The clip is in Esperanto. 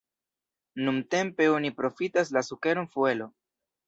Nuntempe oni profitas la sukeron fuelo.